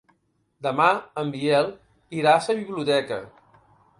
Demà en Biel irà a la biblioteca.